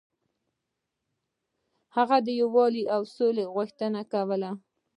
هغه د یووالي او سولې غوښتنه کوله.